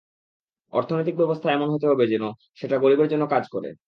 অর্থনৈতিক ব্যবস্থা এমন হতে হবে যেন, সেটা গরিবের জন্য কাজ করে।